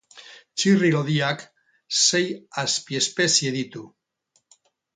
Txirri lodiak sei azpiespezie ditu.